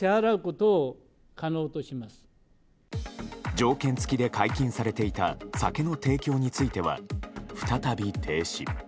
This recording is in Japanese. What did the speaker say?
条件付きで解禁されていた酒の提供については再び停止。